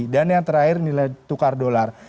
dan yang terakhir nilai tukar dolar